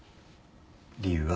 理由は？